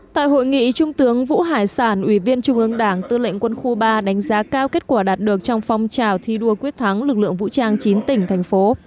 tại hội nghị trung tướng vũ hải sản ủy viên trung ương đảng tư lệnh quân khu ba đánh giá cao kết quả đạt được trong phong trào thi đua quyết thắng lực lượng vũ trang chín tỉnh thành phố